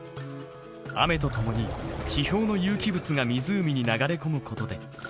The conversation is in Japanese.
雨とともに地表の有機物が湖に流れ込むことで黒くなる。